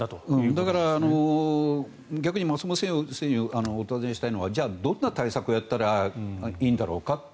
だから、逆に松本先生にお尋ねしたいのはじゃあ、どんな対策をやったらいいんだろうかと。